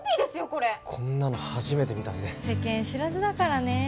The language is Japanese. これこんなの初めて見たんで世間知らずだからねえ